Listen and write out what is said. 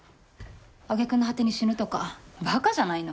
揚げ句の果てに死ぬとかバカじゃないの？